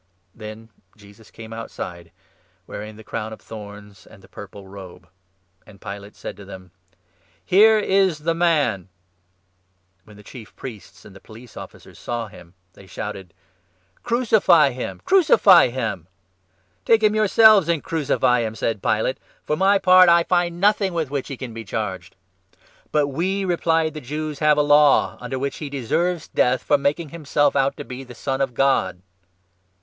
Then Jesus came outside, wearing the crown of thorns and 5 the purple robe ; and Pilate said to them :" Here is the man !" When the Chief Priests and the police officers saw him, they 6 shouted :" Crucify him ! Crucify him !"" Take him yourselves and crucify him," said Pilate. " For my part, I find nothing with which he can be charged." " But we," replied the Jews, " have a Law, under which he 7 deserves death for making himself out to be the Son of God."